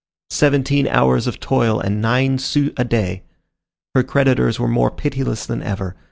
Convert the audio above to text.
Seventeen hours of toil, and nine sous a day! Her creditors were more pitiless than ever.